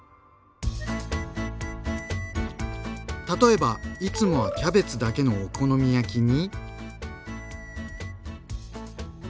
例えばいつもはキャベツだけのお好み焼きに。